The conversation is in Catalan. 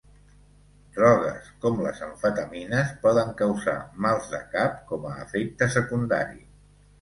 Drogues com les amfetamines poden causar mals de cap com a efecte secundari.